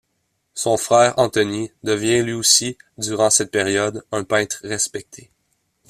Son frère Antonie devient lui aussi durant cette période un peintre respecté.